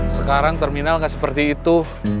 sekarang terminal seperti itu